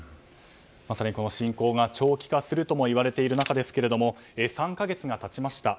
まさにこの侵攻が長期化するといわれている中ですが３か月が経ちました。